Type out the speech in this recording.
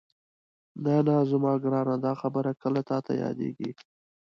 نه نه زما ګرانه دا خبرې کله تاته یادېږي؟